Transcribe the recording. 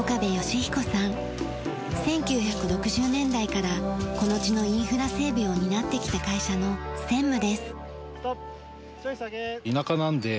１９６０年代からこの地のインフラ整備を担ってきた会社の専務です。